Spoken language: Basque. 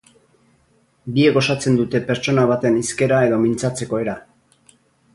Biek osatzen dute pertsona baten hizkera edo mintzatzeko era.